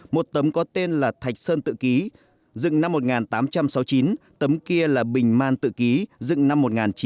một tấm có tên là thạch sơn tự ký dựng năm một nghìn tám trăm sáu mươi chín tấm kia là bình man tự ký dựng năm một nghìn chín trăm bảy mươi